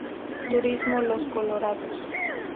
Turismo Los Colorados